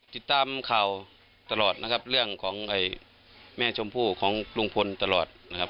ติดตามข่าวตลอดนะครับเรื่องของแม่ชมพู่ของลุงพลตลอดนะครับ